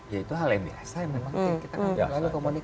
ya itu hal yang biasa memang kita nggak jelas lah